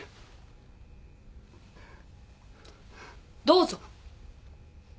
どうぞ。